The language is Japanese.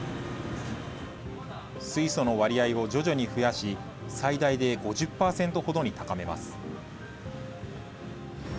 水素の割合を徐々に増やし、最大で５０％ほどに高めます。